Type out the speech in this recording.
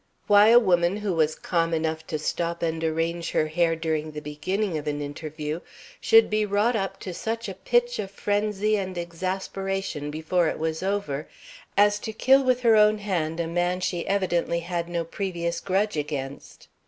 Why a woman who was calm enough to stop and arrange her hair during the beginning of an interview should be wrought up to such a pitch of frenzy and exasperation before it was over as to kill with her own hand a man she had evidently had no previous grudge against.